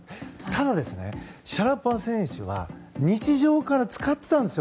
ただ、シャラポワ選手は日常から使っていたんです